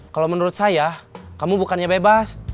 kalau menurut saya kamu bukannya bebas